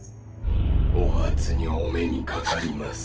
お初にお目にかかります。